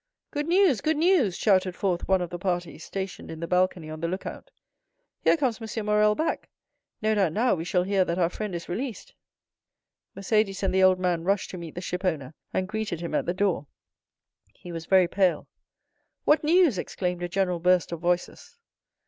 "Good news! good news!" shouted forth one of the party stationed in the balcony on the lookout. "Here comes M. Morrel back. No doubt, now, we shall hear that our friend is released!" Mercédès and the old man rushed to meet the shipowner and greeted him at the door. He was very pale. "What news?" exclaimed a general burst of voices.